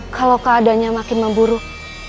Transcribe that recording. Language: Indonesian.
kalau keadanya makin memburuk